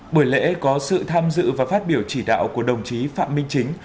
buổi lễ có sự tham dự và phát biểu chỉ đạo của đồng chí phạm minh chính